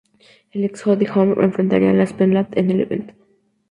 La ex Holly Holm enfrentaría a Aspen Ladd en el evento.